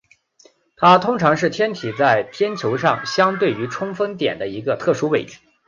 它通常是天体在天球上相对于春分点的一个特殊位置。